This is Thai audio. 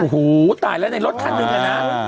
โหตายแล้วในรถทันหนึ่งเลยนะ